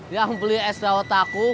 yang beli es dawa taku